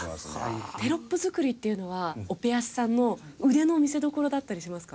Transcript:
テロップ作りっていうのはオペアシさんの腕の見せどころだったりしますか？